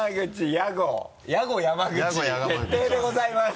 ヤゴ山口決定でございます。